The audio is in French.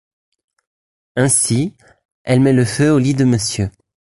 Ainsi, elle met le feu au lit de Mr.